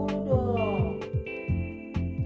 eh tunggu dulu dong